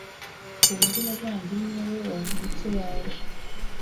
Ku buryo umuvandimwe we wavutse yaje